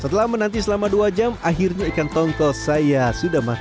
setelah menanti selama dua jam akhirnya ikan tongkol saya sudah mati